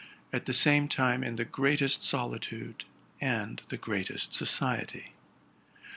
at the same time in the greatest solitude and the greatest society.